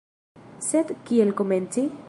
Sed kiel komenci?